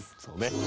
そうね。